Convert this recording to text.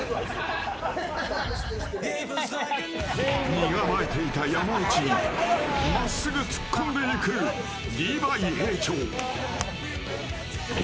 身構えていた山内に真っすぐ突っ込んでいくリヴァイ兵長。